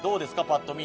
パッと見。